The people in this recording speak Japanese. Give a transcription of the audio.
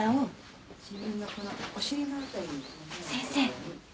先生。